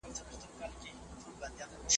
په دې کې هېڅ شک نشته.